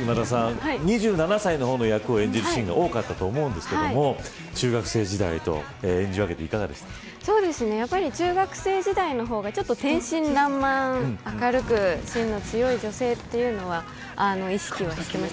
今田さん、２７歳の役を演じるシーンが多かったと思うんですけれども中学生時代と中学生時代の方が天真爛漫明るく芯の強い女性というのは意識はしていました。